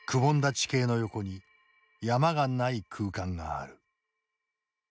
地形の横に山がない空間がある。